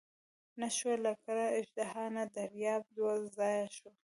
نه شوه لکړه اژدها نه دریاب دوه ځایه شو.